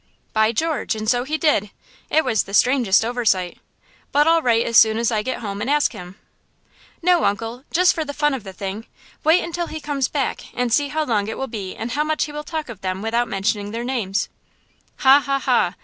"By George! and so he did. It was the strangest oversight. But I'll write as soon as I get home and ask him." "No, uncle; just for the fun of the thing, wait until he comes back, and see how long it will be and how much he will talk of them without mentioning their names." "Ha, ha, ha!